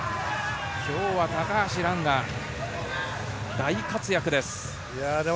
今日は高橋藍が大活躍です。